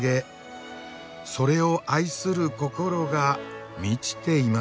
それを愛する心が満ちていました。